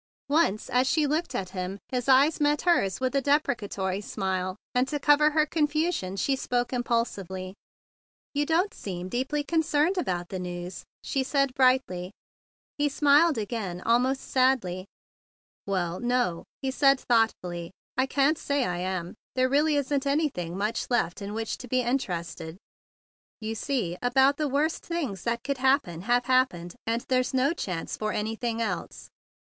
Once, as she looked at him, his eye met hers with a depreca¬ tory smile, and to cover her confusion she spoke impulsively. "You don't seem deeply concerned about the news," she said gayly. He smiled again almost sadly. THE BIG BLUE SOLDIER 149 "Well, no!" he said thoughtfully. "I can't say I am. There really isn't any¬ thing much left in which to be inter¬ ested. You see about the worst things that could happen have happened, and there's no chance for anything else."